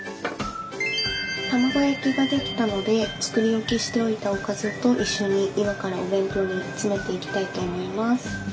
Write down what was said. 卵焼きが出来たので作り置きしておいたおかずと一緒に今からお弁当に詰めていきたいと思います。